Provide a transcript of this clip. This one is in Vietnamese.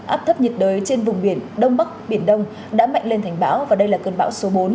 áp thấp nhiệt đới trên vùng biển đông bắc biển đông đã mạnh lên thành bão và đây là cơn bão số bốn